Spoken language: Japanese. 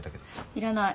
いらない。